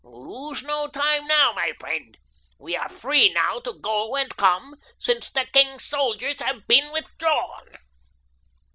Lose no time now, my friend. We are free now to go and come, since the king's soldiers have been withdrawn."